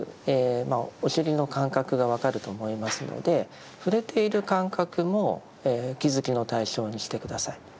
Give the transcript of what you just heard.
まあお尻の感覚が分かると思いますので触れている感覚も気づきの対象にして下さい。